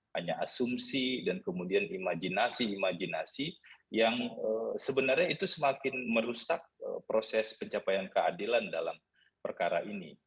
hanya asumsi dan kemudian imajinasi imajinasi yang sebenarnya itu semakin merusak proses pencapaian keadilan dalam perkara ini